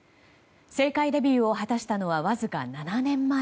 政界デビューを果たしたのはわずか７年前。